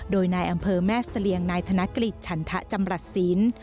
โดยนายอำเภอแม่สะเรียงนายธนกฤทธิ์ฉันทะจำรัฐศีล